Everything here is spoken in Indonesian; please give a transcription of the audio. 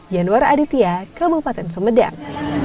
januar aditya kebupaten sumedang